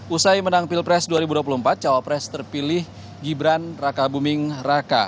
usai menang pilpres dua ribu dua puluh empat cawapres terpilih gibran raka buming raka